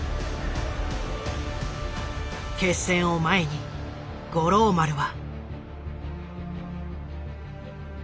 決戦を前に五郎丸は。